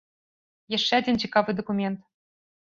Яшчэ адзін цікавы дакумент.